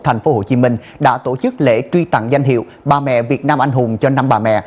tp hcm đã tổ chức lễ truy tặng danh hiệu bà mẹ việt nam anh hùng cho năm bà mẹ